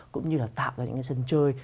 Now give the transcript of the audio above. cũng như là tạo ra những cái sân chơi